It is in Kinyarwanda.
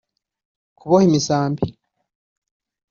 kuboha imisambi